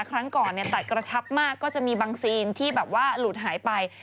ครั้งก่อนตัดกระชับมากก็จะมีบางซีนที่แบบว่าหลุดหายไป